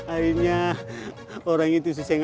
akhirnya orang itu selalu dekat